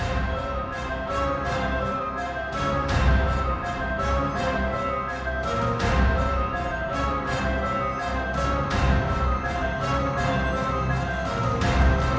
kami nantinya ke depan